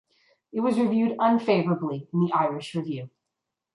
It was reviewed unfavourably in "The Irish Review".